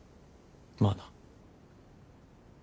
まあな。